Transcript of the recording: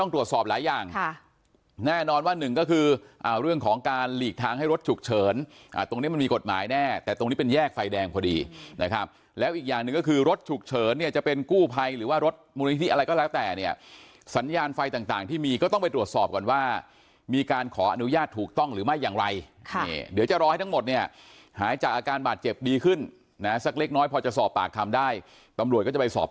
แน่นอนว่าหนึ่งก็คืออ่าเรื่องของการหลีกทางให้รถฉุกเฉินอ่าตรงนี้มันมีกฎหมายแน่แต่ตรงนี้เป็นแยกไฟแดงพอดีนะครับแล้วอีกอย่างหนึ่งก็คือรถฉุกเฉินเนี่ยจะเป็นกู้ไภหรือว่ารถมูลนี้ที่อะไรก็แล้วแต่เนี่ยสัญญาณไฟต่างต่างที่มีก็ต้องไปตรวจสอบก่อนว่ามีการขออนุญาตถูกต้องหรือไม่อย่